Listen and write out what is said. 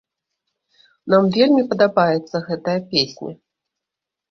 Нам вельмі падабаецца гэтая песня.